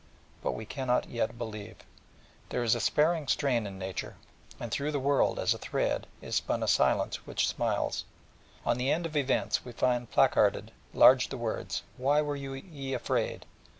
But we cannot yet believe. There is a sparing strain in nature, and through the world, as a thread, is spun a silence which smiles, and on the end of events we find placarded large the words: "Why were ye afraid?"